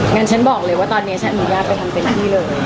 งั้นฉันบอกเลยว่าตอนนี้ฉันอนุญาตไปทำเต็มที่เลย